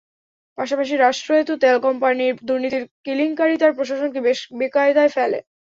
পাশাপাশি রাষ্ট্রায়ত্ত তেল কোম্পানির দুর্নীতির কেলেঙ্কারি তাঁর প্রশাসনকে বেশ বেকায়দায় ফেলে।